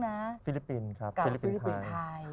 พี่มั๊กเป็นฟิลิปินครับฟิลิปินไทย